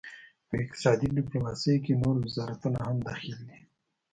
په اقتصادي ډیپلوماسي کې نور وزارتونه هم دخیل دي